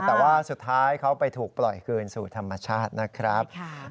แต่ว่าสุดท้ายเขาไปถูกปล่อยคืนสู่ธรรมชาตินะครับ